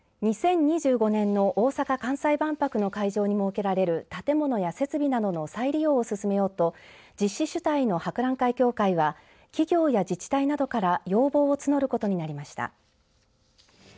２０２５年の大阪・関西万博の会場に設けられる建物や設備などの再利用を進めようと実施主体の博覧会協会は企業や自治体などから要望を募ることになりました。